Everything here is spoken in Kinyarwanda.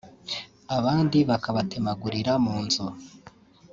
abandi bakabatemagurira mu nzira